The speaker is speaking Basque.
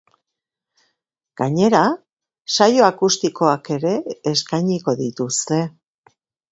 Gainera, saio akustikoak ere eskainiko dituzte.